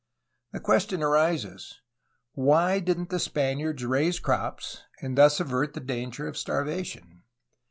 The question arises: Why didn't the Spaniards raise crops and thus avert the danger of starvation?